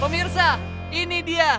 pemirsa ini dia